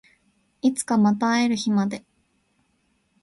いつかまた会える日まで